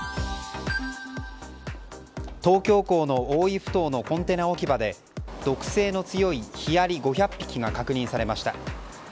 東京港の大井ふ頭のコンテナ置き場で毒性の強いヒアリ５００匹が確認されました。